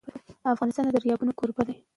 افغانستان د دریابونه کوربه دی.